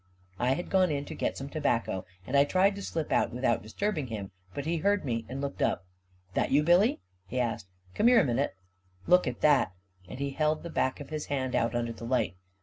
I had gone in to get some tobacco, and I tried to slip out without disturbing him; but he heard me and looked up. "That you, Billy?" he asked. "Come here a minute. Look at that 1 " and he held the back of his hand out under the light.